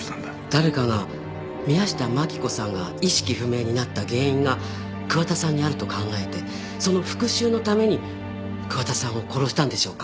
誰かが宮下真紀子さんが意識不明になった原因が桑田さんにあると考えてその復讐のために桑田さんを殺したんでしょうか？